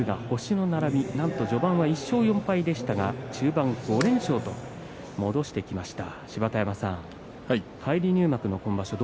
星の並び序盤は１勝４敗でしたが中盤５連勝で戻してきました。